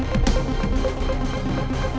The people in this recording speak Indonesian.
gue gak perlu dikhawatirin